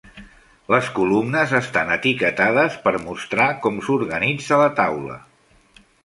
Les columnes estan etiquetades per mostrar com s'organitza la taula.